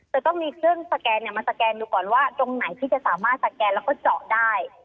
จะต้องมีเครื่องสแกนมาสแกนดูก่อนว่าตรงไหนที่จะสามารถสแกนแล้วก็เจาะได้